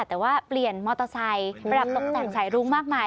แต่ว่าเปลี่ยนมอเตอร์ไซค์ประดับตกแต่งสายรุ้งมากมาย